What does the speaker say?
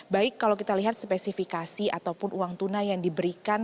baik kalau kita lihat spesifikasi ataupun uang tunai yang diberikan